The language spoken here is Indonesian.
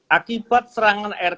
akibat serangan air